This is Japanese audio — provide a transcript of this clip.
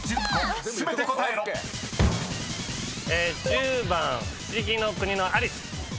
１０番ふしぎの国のアリス。